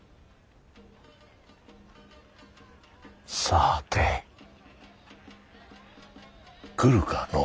さて来るかのう？